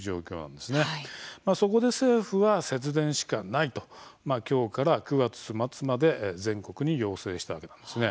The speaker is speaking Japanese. そこで政府は、節電しかないときょうから９月末まで全国に要請したというわけなんです。